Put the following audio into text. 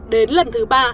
đến lần thứ ba